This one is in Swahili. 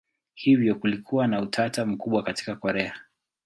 Hivyo kulikuwa na utata mkubwa katika Korea.